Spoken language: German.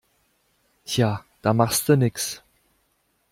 Tja, da machste nix.